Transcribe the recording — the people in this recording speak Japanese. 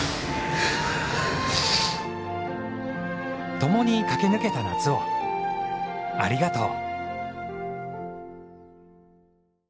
ともにかけぬけた夏を、ありがとう。